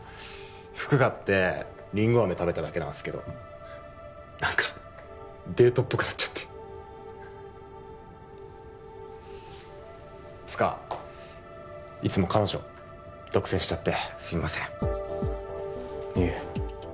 服買ってリンゴあめ食べただけなんすけど何かデートっぽくなっちゃってつかいつも彼女独占しちゃってすいませんいえ